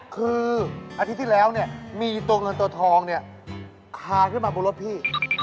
คืออาทิตย์ที่แล้วเนี่ยมีตัวเงินตัวทองเนี่ยคาขึ้นมาบนรถพี่